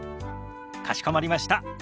かしこまりました。